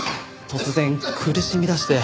突然苦しみだして。